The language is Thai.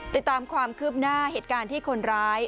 ติดตามความคืบหน้าเหตุการณ์ที่คนร้าย